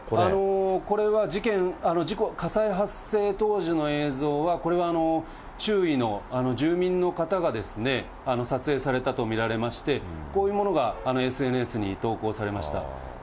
これは事件、事故、火災発生当時の映像は、これは周囲の住民の方が撮影されたと見られまして、こういうものがＳＮＳに投稿されました。